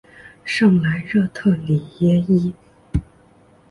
圣莱热特里耶伊。